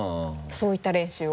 そういった練習を。